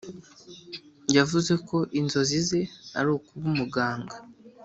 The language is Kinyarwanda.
yavuze ko inzozi ze ari kuba umuganga